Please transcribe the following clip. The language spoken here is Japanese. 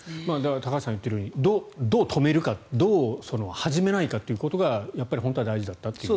高橋さんがおっしゃるようにどう止めるかどう始めないかってことが本当は大事だったと。